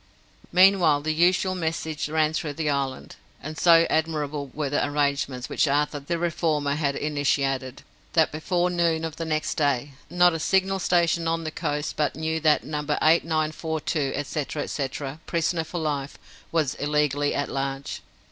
Meanwhile the usual message ran through the island, and so admirable were the arrangements which Arthur the reformer had initiated, that, before noon of the next day, not a signal station on the coast but knew that No. 8942, etc., etc., prisoner for life, was illegally at large.